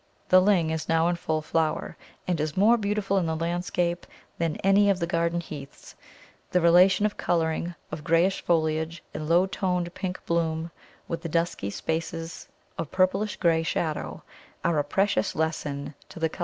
The Ling is now in full flower, and is more beautiful in the landscape than any of the garden Heaths; the relation of colouring, of greyish foliage and low toned pink bloom with the dusky spaces of purplish grey shadow, are a precious lesson to the colour student.